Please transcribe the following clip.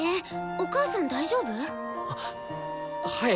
お母さん大丈夫？ははい。